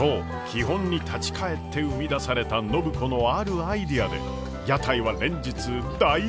基本に立ち返って生み出された暢子のあるアイデアで屋台は連日大盛況！